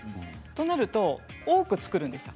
そうなると多く作るんです。